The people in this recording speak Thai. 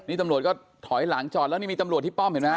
นี่ตำรวจก็ถอยหลังจอดแล้วนี่มีตำรวจที่ป้อมเห็นไหมฮ